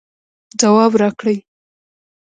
ځواب راکړئ